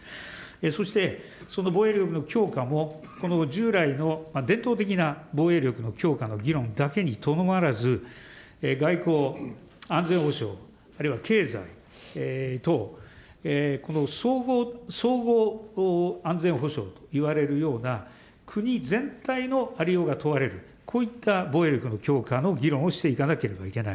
そして、その防衛力の強化も、この従来の伝統的な防衛力の強化の議論だけにとどまらず、外交・安全保障、あるいは経済等、この総合安全保障といわれるような、国全体のありようが問われる、こういった防衛力の強化の議論をしていかなければいけない。